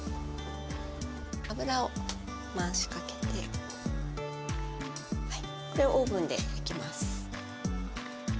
油を回しかけてこれをオーブンで焼きます。